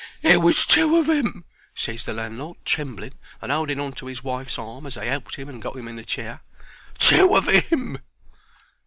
"There there was two of 'im !" ses the landlord, trembling and holding on to 'is wife's arm, as they helped 'im up and got 'im in the chair. "Two of 'im!"